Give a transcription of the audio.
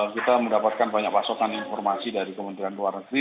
kita mendapatkan banyak pasokan informasi dari kementerian luar negeri